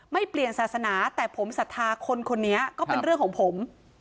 เปลี่ยนศาสนาแต่ผมศรัทธาคนคนนี้ก็เป็นเรื่องของผม